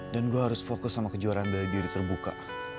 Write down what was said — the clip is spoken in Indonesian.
dan gue harus fokus sama kejuaraan biar dia diterbuka